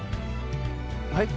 はい？